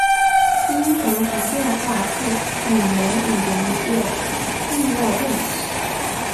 槟城福建话是闽南语的一个域外变体。